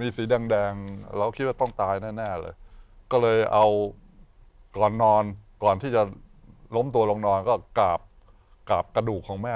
มีสีแดงเราคิดว่าต้องตายแน่เลยก็เลยเอาก่อนนอนก่อนที่จะล้มตัวลงนอนก็กราบกราบกระดูกของแม่